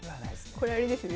これあれですね